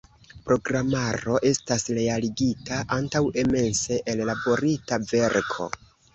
Programaro estas realigita antaŭe mense ellaborita verko.